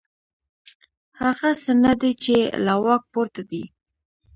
هغه څه نه دي چې له واک پورته دي.